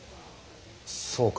そうか。